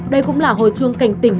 đây cũng là hồi chuông cảnh tình